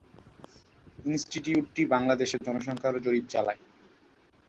ইনস্টিটিউটটি বাংলাদেশে জনসংখ্যা জরিপ চালায়।